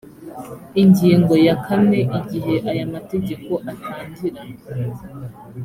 ingingo ya kane igihe aya mategeko atangira